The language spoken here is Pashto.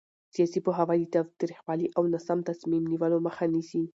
سیاسي پوهاوی د تاوتریخوالي او ناسم تصمیم نیولو مخه نیسي